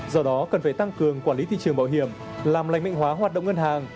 do đó cần phải tăng cường quản lý thị trường bảo hiểm làm lành mạnh hóa hoạt động ngân hàng